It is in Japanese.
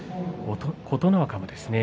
琴ノ若がですね